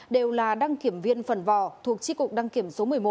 đều là đăng kiểm viên phần vò thuộc chi cục đăng kiểm số một mươi một